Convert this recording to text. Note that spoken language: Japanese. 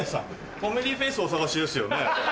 コメディーフェイスをお探しですよね？